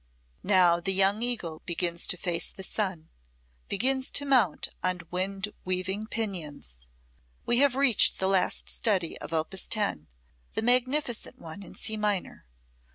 Now the young eagle begins to face the sun, begins to mount on wind weaving pinions. We have reached the last study of op. 10, the magnificent one in C minor.